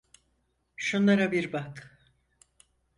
Şunlara bir bak.